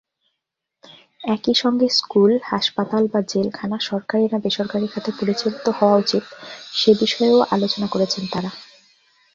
একই সঙ্গে স্কুল, হাসপাতাল বা জেলখানা সরকারি না বেসরকারি খাতে পরিচালিত হওয়া উচিত; সে বিষয়েও আলোচনা করেছেন তারা।